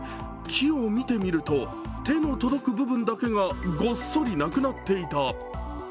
木を見てみると、手の届く部分だけがごっそりなくなっていた。